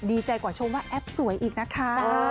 ดีใจกว่าชมว่าแอปสวยอีกนะคะ